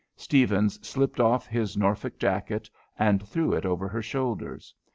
Stephens slipped off his Norfolk jacket and threw it over her shoulders.